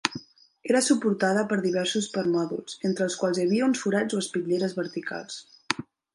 Era suportada per diversos permòdols, entre els quals hi havia uns forats o espitlleres verticals.